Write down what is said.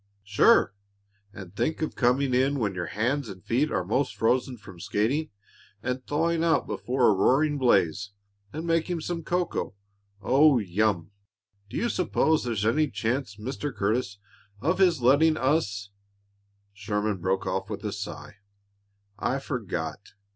"Sure! And think of coming in when your hands and feet are 'most frozen from skating, and thawing out before a roaring blaze, and making some cocoa, oh, yum! Do you s'pose there's any chance, Mr. Curtis, of his letting us " Sherman broke off with a sigh. "I forgot.